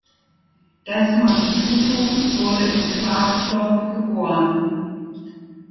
Desmond Tutu wurde in Klerksdorp geboren.